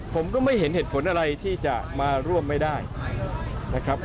ผมก็ไม่เห็นเหตุผลอะไรที่จะมาร่วมไม่ได้นะครับ